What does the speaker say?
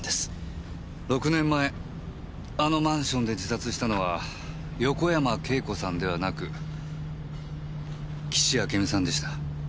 ６年前あのマンションで自殺したのは横山慶子さんではなく岸あけみさんでした。